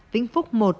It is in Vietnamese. vĩnh phúc một